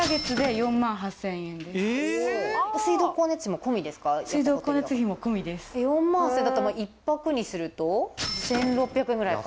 ４万８０００円だと１泊にすると１６００円ぐらいか。